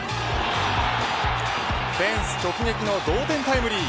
フェンス直撃の同点タイムリー。